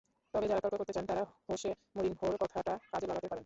তবে যাঁরা তর্ক করতে চান, তাঁরা হোসে মরিনহোর কথাটা কাজে লাগাতে পারেন।